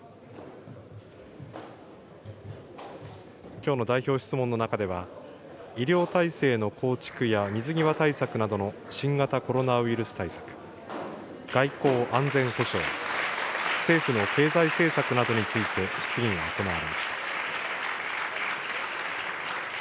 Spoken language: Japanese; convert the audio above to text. きょうの代表質問の中では、医療体制の構築や水際対策などの新型コロナウイルス対策、外交・安全保障、政府の経済政策などについて質疑が行われました。